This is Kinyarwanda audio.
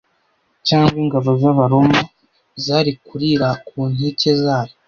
cyangwa ingabo z'Abaroma zari kurira ku nkike zayo